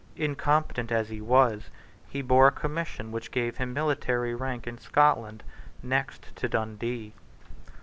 Incompetent as he was, he bore a commission which gave him military rank in Scotland next to Dundee.